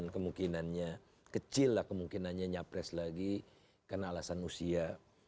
kemungkinannya kecil lah kemungkinannya nyapres lagi karena alasan usia